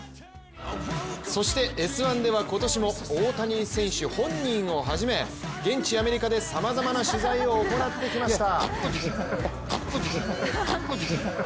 そして「Ｓ☆１」では今年も大谷選手本人をはじめ現地アメリカでさまざまな取材を行ってきました。